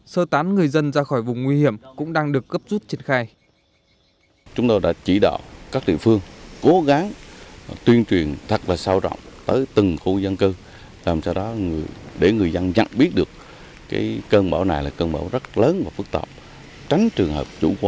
sơ tán người dân ra khỏi vùng nguy hiểm cũng đang được cấp rút triển khai